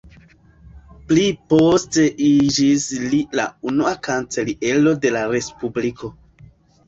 Pli poste iĝis li la unua kanceliero de la respubliko.